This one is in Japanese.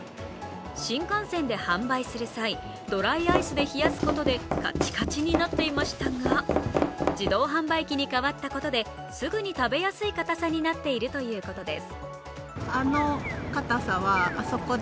新幹線で販売する際、ドライアイスで冷やすことでカチカチになっていましたが、自動販売機に代わったことで、すぐに食べやすいかたさになっているということです。